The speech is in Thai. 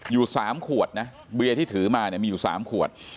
อยู่๓ขวดเบียที่ถือมามีอยู่๓ขวด